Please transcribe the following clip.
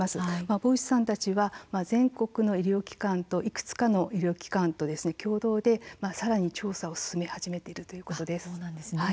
坊内さんたちは全国の医療機関といくつかの医療機関と共同でさらに調査を進め始めているということです。